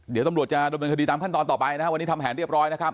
เดี๋ยวตำรวจจะดำเนินคดีตามขั้นตอนต่อไปนะครับวันนี้ทำแผนเรียบร้อยนะครับ